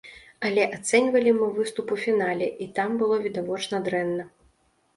Але ацэньвалі мы выступ у фінале, і там было відавочна дрэнна.